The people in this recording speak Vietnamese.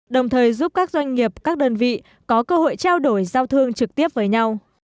đồng thời giúp các doanh nghiệp các đơn vị có cơ hội trao đổi giao thương trực tiếp với nhau